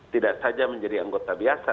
tidak saja menjadi anggota biasa